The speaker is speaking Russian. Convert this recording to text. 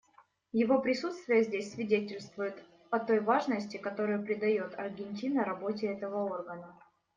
Его присутствие здесь свидетельствует о той важности, которую придает Аргентина работе этого органа.